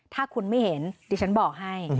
ถ้าคุณไม่เห็นดิฉันบอกให้